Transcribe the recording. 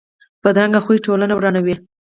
بدرنګه خوی ټولنه ورانوي